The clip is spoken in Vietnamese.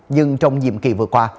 nhưng trong nhiệm kỳ vừa qua